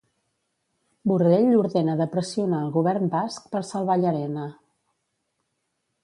Borrell ordena de pressionar el govern basc per salvar Llarena.